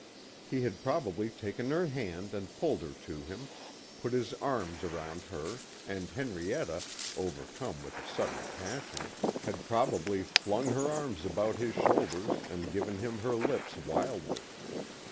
He had probably taken her hand and pulled her to him, put his arms around her and Henrietta, overcome with a sudden passion, had probably flung her arms about his shoulders and given him her lips wildly.